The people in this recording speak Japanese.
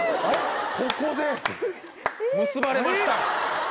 ここで結ばれました。